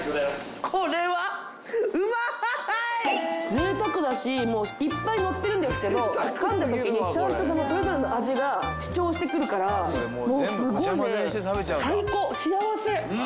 ぜいたくだしいっぱい載ってるんですけどかんだときにちゃんとそれぞれの味が主張してくるからもうすごいね。